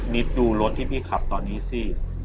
ดูรถที่พี่ขับตอนนี้สิ